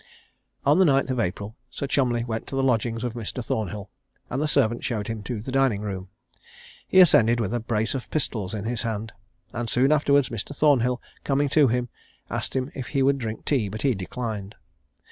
On the 9th of April, Sir Cholmondeley went to the lodgings of Mr Thornhill, and the servant showed him to the dining room. He ascended with a brace of pistols in his hands; and soon afterwards, Mr. Thornhill coming to him, asked him if he would drink tea, but he declined.